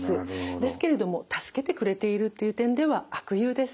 ですけれども助けてくれているという点では悪友です。